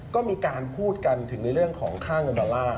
ก็มีการพูดกันถึงในเรื่องของค่าเงินดอลลาร์